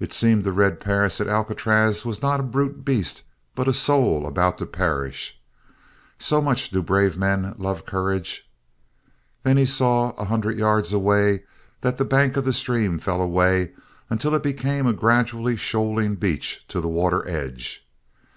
It seemed to Red Perris that Alcatraz was not a brute beast but a soul about to perish. So much do brave men love courage! Then he saw, a hundred yards away, that the bank of the stream fell away until it became a gradually shoaling beach to the water edge.